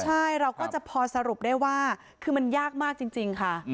ใช่เราก็จะพอสรุปได้ว่าคือมันยากมากจริงค่ะ